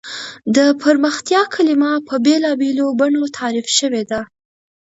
د پرمختیا کلیمه په بېلا بېلو بڼو تعریف شوې ده.